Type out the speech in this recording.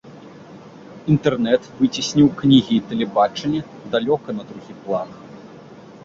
Інтэрнэт выцесніў кнігі і тэлебачанне далёка на другі план.